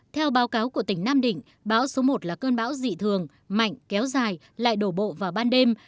theo báo cáo của tỉnh nam định bão số một là cơn bão dị thường mạnh kéo dài lại đổ bộ vào ban đêm